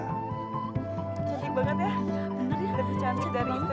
tadi habis mengopi opi dengan kara